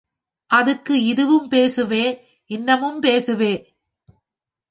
அதுக்கு இதுவும் பேசுவே இன்னமும் பேசுவே.